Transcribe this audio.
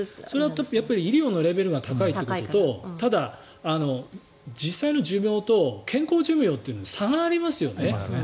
やっぱり医療のレベルが高いということと実際の寿命と健康寿命というのに差がありますよね。